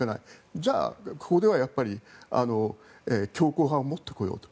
じゃあ、ここではやっぱり強硬派を持ってこようと。